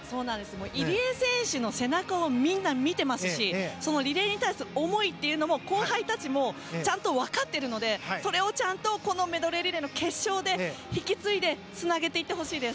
入江選手の背中を見ていると思いますしリレーに対する思いというのも後輩たちもちゃんとわかっているのでそれをこのメドレーリレーの決勝で引き継いでつなげていってほしいです。